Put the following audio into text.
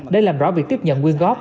để làm rõ việc tiếp nhận quyên góp